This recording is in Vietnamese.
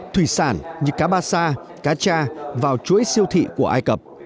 thủy sản như cá ba sa cá cha vào chuỗi siêu thị của ai cập